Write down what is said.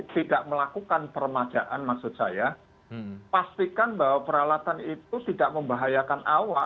tidak melakukan permajaan maksud saya pastikan bahwa peralatan itu tidak membahayakan awak